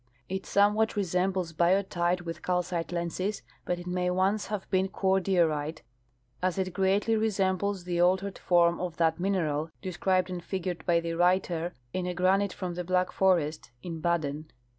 It somewhat re sembles biotite with calcite lenses, but it may once have been corclierite, as it greatly resembles the altered form of that min eral described and figured l)y the writer in a granite from the Black Forest, in Baden.